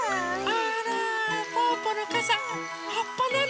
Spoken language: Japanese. あらぽぅぽのかさはっぱなのね。